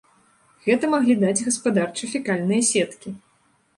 Гэта маглі даць гаспадарча-фекальныя сеткі.